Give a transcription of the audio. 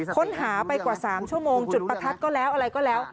ค้นหาไปกว่า๓ชั่วโมงจุดประทัดก็แล้วอะไรก็แล้ว